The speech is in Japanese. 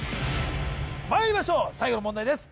まいりましょう最後の問題です